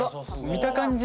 見た感じ